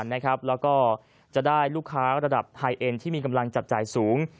แล้วก็จะได้ลูกค้าระดับไทยเอ็นที่มีกำลังจับจ่ายสูง